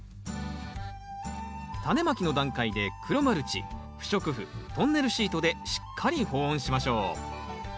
タネまきの段階で黒マルチ不織布トンネルシートでしっかり保温しましょう。